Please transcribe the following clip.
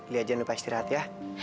lihat jangan lupa istirahat ya